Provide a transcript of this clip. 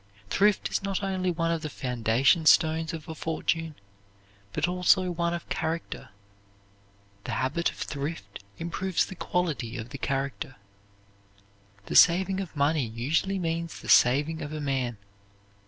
Thrift is not only one of the foundation stones of a fortune, but also one of character. The habit of thrift improves the quality of the character. The saving of money usually means the saving of a man.